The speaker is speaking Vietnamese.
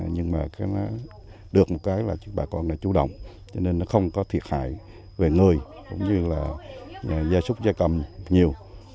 nhưng mà nó được một cái là bà con đã chủ động cho nên nó không có thiệt hại về người cũng như là gia súc gia cầm nhiều